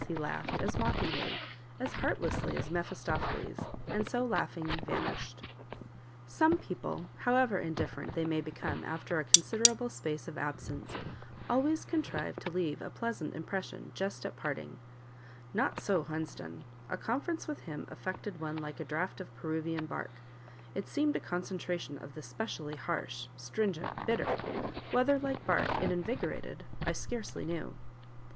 he laughed, as mockingly, as heartlessly as Mephistopheles, and so laughing, vanished. Some people, however indifferent they may become after a considerable space of absence, always contrive to leave a pleasant impression just at parting; not so Hunsden, a conference with him affected one like a draught of Peruvian bark; it seemed a concentration of the specially harsh, stringent, bitter; whether, like bark, it invigorated, I scarcely knew.